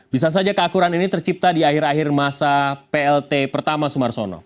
bisa saja keakuran ini tercipta di akhir akhir masa plt pertama sumarsono